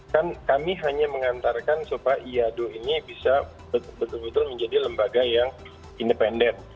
kan kami hanya mengantarkan supaya iado ini bisa betul betul menjadi lembaga yang independen